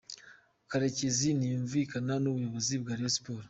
Karekezi ntiyumvikanaga n’ubuyobozi bwa Rayon Sports.